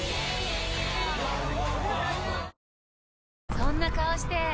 そんな顔して！